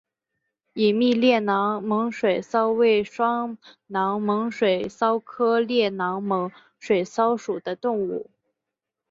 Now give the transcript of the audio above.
隐密裂囊猛水蚤为双囊猛水蚤科裂囊猛水蚤属的动物。